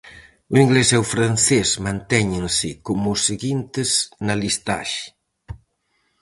O inglés e o francés mantéñense como os seguintes na listaxe.